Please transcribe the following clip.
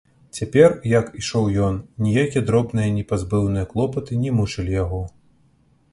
Цяпер, як ішоў ён, ніякія дробныя непазбыўныя клопаты не мучылі яго.